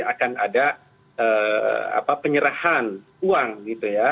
akan ada penyerahan uang gitu ya